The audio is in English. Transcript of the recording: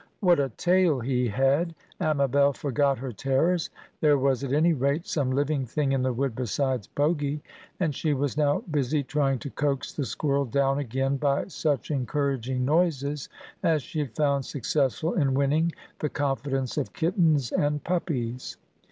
What a tail he had! Amabel forgot her terrors. There was at any rate some living thing in the wood besides Bogy; and she was now busy trying to coax the squirrel down again by such encouraging noises as she had found successful in winning the confidence of kittens and puppies.